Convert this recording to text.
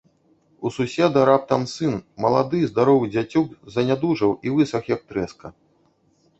У суседа раптам сын, малады і здаровы дзяцюк, занядужаў і высах, як трэска.